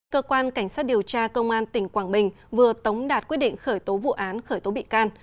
cơ quan cảnh sát điều tra công an tỉnh quảng bình vừa tống đạt quyết định khởi tố vụ án khởi tố bị can